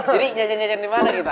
jadi nyajeng nyajeng dimana kita